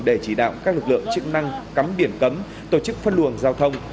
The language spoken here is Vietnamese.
để chỉ đạo các lực lượng chức năng cắm biển cấm tổ chức phân luồng giao thông